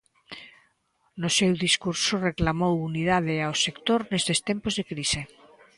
No seu discurso reclamou unidade ao sector nestes tempos de crise.